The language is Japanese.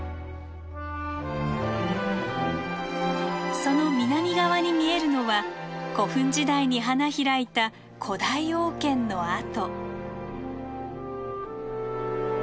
その南側に見えるのは古墳時代に花開いた古代王権の跡。